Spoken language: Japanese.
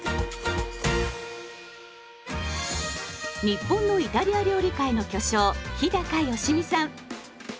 日本のイタリア料理界の巨匠日良実さん。